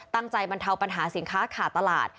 บรรเทาปัญหาสินค้าขาดตลาด